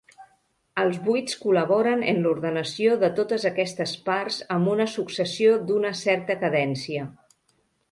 Els buits col·laboren en l'ordenació de totes aquestes parts amb una successió d'una certa cadència.